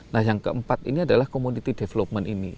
nah yang keempat ini adalah community development ini